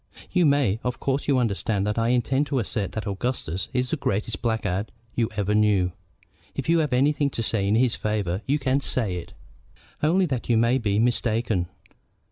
"You may. Of course you understand that I intend to assert that Augustus is the greatest blackguard you ever knew. If you have anything to say in his favor you can say it." "Only that you may be mistaken.